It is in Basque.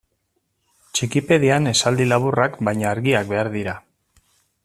Txikipedian esaldi laburrak baina argiak behar dira.